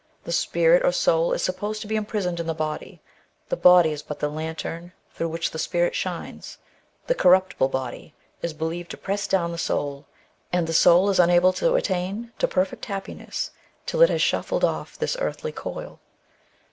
The spirit or soul is supposed to be imprisoned in the body, the body is but the lantern through which the spirit shines, " the corruptible body" is believed to " press down the soul,'* and the soul is unable to attain to perfect happiness till it has shufiSed off this earthy coil.